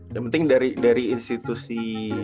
yang penting dari institusi